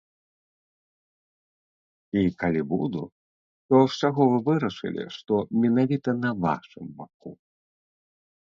І калі буду, то з чаго вы вырашылі, што менавіта на вашым баку?